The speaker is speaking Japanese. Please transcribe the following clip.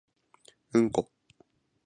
うんこ